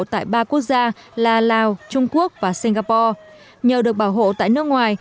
tại ba quốc gia là lào trung quốc và singapore nhờ được bảo hộ tại nước ngoài